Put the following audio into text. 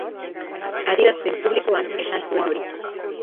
Adierazpen publikoan esan zuen hori.